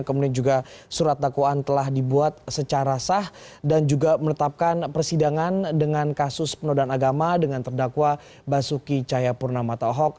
kemudian juga surat dakwaan telah dibuat secara sah dan juga menetapkan persidangan dengan kasus penodaan agama dengan terdakwa basuki cahayapurnama tahok